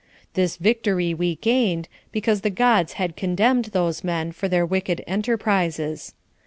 This victory we gained, because the gods had condemned those men for their wicked enterprises.